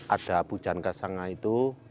ada pujan kasanga itu